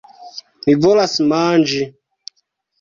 Mi volas manĝi!